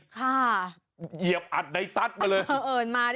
เข้าเยียบอัดใดตัดมา